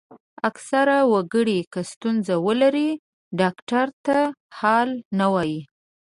اکثره وګړي که ستونزه ولري ډاکټر ته حال نه وايي.